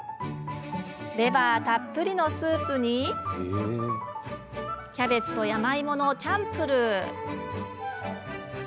レバーたっぷりのスープにキャベツと山芋のチャンプルー。